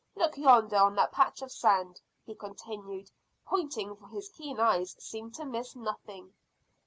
Look yonder on that patch of sand," he continued, pointing, for his keen eyes seemed to miss nothing.